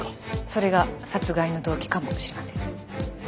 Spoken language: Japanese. それが殺害の動機かもしれません。